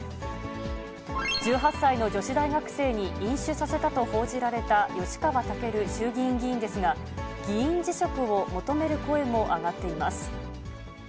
１８歳の女子大学生に飲酒させたと報じられた吉川赳衆議院議員ですが、議員辞職を求める声も上がっています。